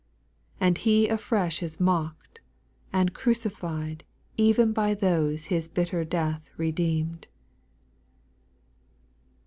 And He afresh is mocked, and crucified Even by those His bitter death redeemed.